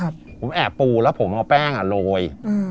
ผมแอบปูแล้วผมเอาแป้งโรย